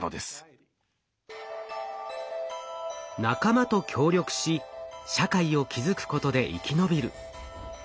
仲間と協力し社会を築くことで生き延びる。